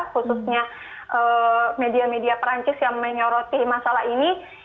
khususnya media media perancis yang menyoroti masalah ini